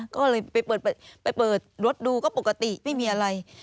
ก็เลยไปเปิดรถดูก็ปกติไม่มีอะไร